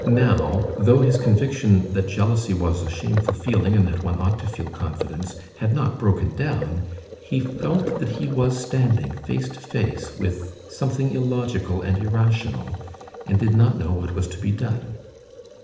Now, though his conviction that jealousy was a shameful feeling and that one ought to feel confidence, had not broken down, he felt that he was standing face to face with something illogical and irrational, and did not know what was to be done.